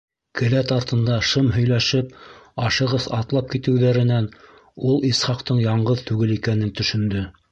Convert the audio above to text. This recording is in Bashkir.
Келәт артында шым һөйләшеп ашығыс атлап китеүҙәренән ул Исхаҡтың яңғыҙ түгел икәнен төшөндө.